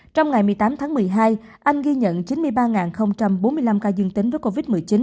trong ngày một mươi tám tháng một mươi hai anh ghi nhận chín mươi ba bốn mươi năm ca dương tính với covid một mươi chín